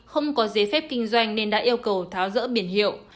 không có giấy phép kinh doanh nên đã yêu cầu tháo rỡ biển hiệu